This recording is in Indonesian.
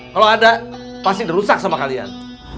kalau ada pasti dirusak sama kalian